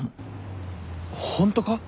ホントか？